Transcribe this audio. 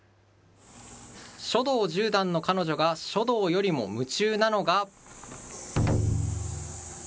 書道十段の彼女が書道よりも夢中なのが。